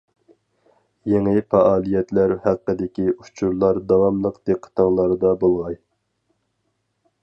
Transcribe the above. يېڭى پائالىيەتلەر ھەققىدىكى ئۇچۇرلار داۋاملىق دىققىتىڭلاردا بولغاي.